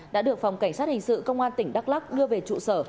đã được phòng cảnh sát hình sự công an tỉnh đắk lắc đưa về trụ sở